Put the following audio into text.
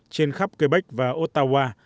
trên khắp quebec và ottawa